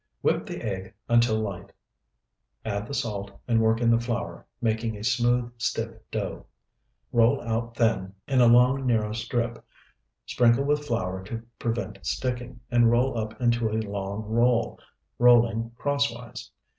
Whip the egg until light, add the salt, and work in the flour, making a smooth, stiff dough. Roll out thin, in a long narrow strip, sprinkle with flour to prevent sticking, and roll up into a long roll, rolling crosswise.